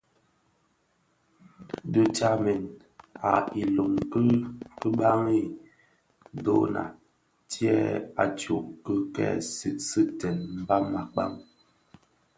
Dhi tsamèn a ilom ki baňi dhona tyèn a tsok ki kè sigsigten mbam akpaň.